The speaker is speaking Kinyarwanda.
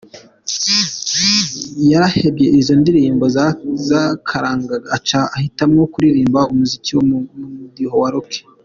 Yarahevye izo ndirimbo z’akaranga, aca ahitamwo kuririmba umuziki wo mu mudiho wa Rock.